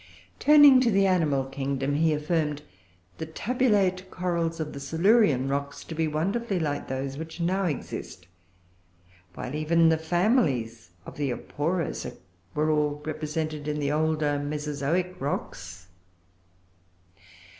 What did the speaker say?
] Turning to the animal kingdom, he affirmed the tabulate corals of the Silurian rocks to be wonderfully like those which now exist; while even the families of the Aporosa were all represented in the older Mesozoic rocks.